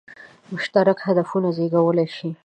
مشترک هدفونه زېږولای شي.